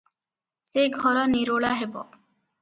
ସେ ଘର ନିରୋଳା ହେବ ।